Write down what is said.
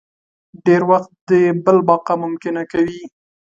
ډېری وخت د بل بقا ممکنه کوي.